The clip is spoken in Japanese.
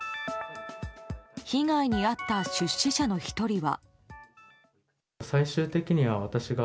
被害に遭った出資者の１人は。